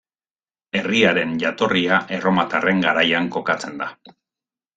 Herriaren jatorria erromatarren garaian kokatzen da.